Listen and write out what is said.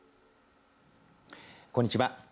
こんにちは。